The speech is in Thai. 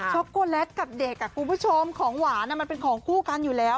็อกโกแลตกับเด็กคุณผู้ชมของหวานมันเป็นของคู่กันอยู่แล้ว